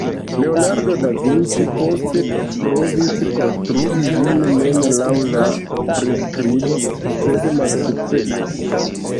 Leonardo da Vinci poste provis konstrui ĝin mem laŭ la priskribo, sed malsukcesis.